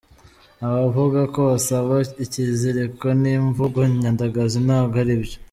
Abavuga ko basabwa ikiziriko ni imvugo nyandagazi ntabwo aribyo.